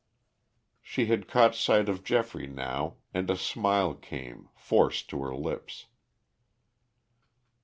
She had caught sight of Geoffrey now and a smile came, forced to her lips.